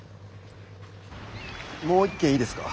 もう一軒いいですか？